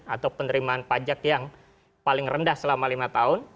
atau penerimaan pajak yang paling rendah selama lima tahun